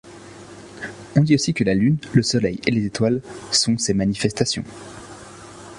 On dit aussi que la lune, le soleil et les étoiles sont ses manifestations.